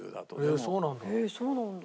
へえそうなんだ。